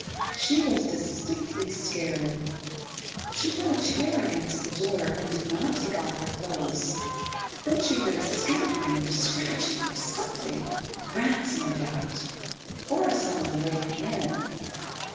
She was distinctly scared. She put a chair against the door, and did not take off her clothes. Then she heard a scampering or scratching, or something—rats, no doubt. Or somebody breaking in.